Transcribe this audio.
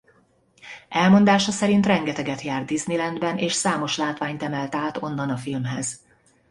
Elmondása szerint rengeteget járt Disneylandben és számos látványt emelt át onnan a filmhez.